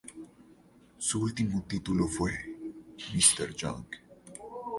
Su último título fue "Young Mr.